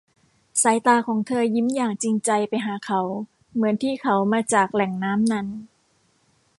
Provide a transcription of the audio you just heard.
สายตาของเธอยิ้มอย่างจริงใจไปหาเขา เหมือนที่เขามาจากแหล่งน้ำนั้น